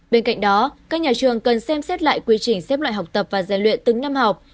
bên cạnh đó các nhà trường cần xem xét lại quy trình xếp loại học tập và dạy luyện từng năm học